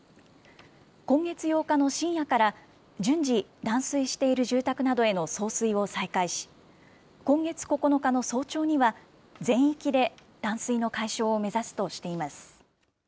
今月８日の深夜から順次、断水している住宅などへの送水を再開し、今月９日の早朝には全域で断水の解消を目指すとしています。